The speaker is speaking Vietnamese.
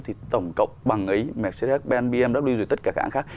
thì tổng cộng bằng ấy mercedes benz bmw rồi tất cả các hãng khác